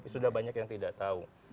sudah banyak yang tidak tahu